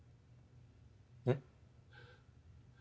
えっ？